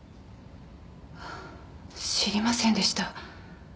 ハァ知りませんでした。